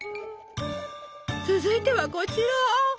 続いてはこちら！